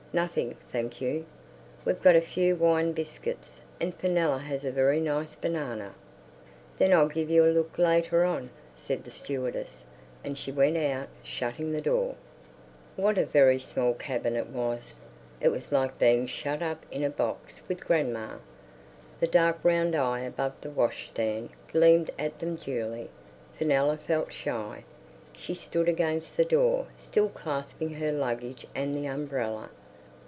"Nothing, thank you. We've got a few wine biscuits, and Fenella has a very nice banana." "Then I'll give you a look later on," said the stewardess, and she went out, shutting the door. What a very small cabin it was! It was like being shut up in a box with grandma. The dark round eye above the washstand gleamed at them dully. Fenella felt shy. She stood against the door, still clasping her luggage and the umbrella.